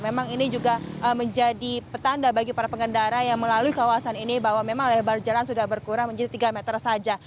memang ini juga menjadi petanda bagi para pengendara yang melalui kawasan ini bahwa memang lebar jalan sudah berkurang menjadi tiga meter saja